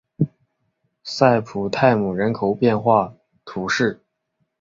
塞普泰姆人口变化图示